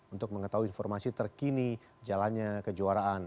untuk mengetahui informasi terkini jalannya kejuaraan